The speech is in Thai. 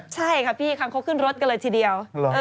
ใช่ค่ะพี่คำเขาขึ้นรถกันเลยทีเดียว